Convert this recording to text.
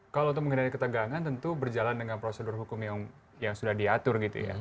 kalau untuk menghindari ketegangan tentu berjalan dengan prosedur hukum yang sudah diatur gitu ya